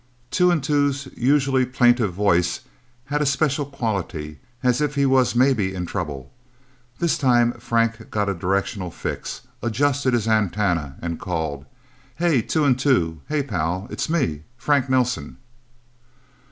Two and Two's usually plaintive voice had a special quality, as if he was maybe in trouble. This time, Frank got a directional fix, adjusted his antenna, and called, "Hey, Two and Two...! Hey, Pal it's me Frank Nelsen...!"